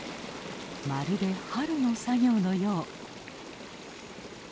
まるで春の作業のよう。